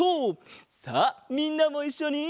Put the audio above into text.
さあみんなもいっしょに！